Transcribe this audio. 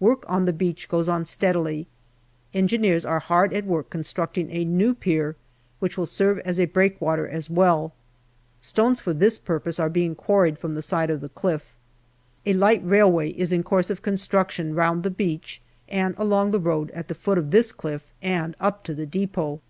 Work on the beach goes on steadily. Engineers are hard at work constructing a new pier, which will serve as a breakwater as well. Stones for this purpose are being quarried from the side of the cliff. A light railway is in course of con struction round the beach and along the road at the foot of this cliff and up to the depot.